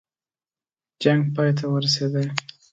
جنګ پای ته ورسېدی.